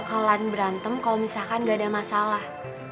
gue gak bakalan berantem kalau misalkan gak ada masalah